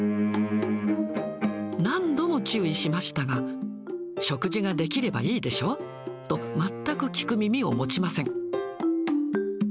何度も注意しましたが、食事ができればいいでしょと、全く聞く耳を持ちません。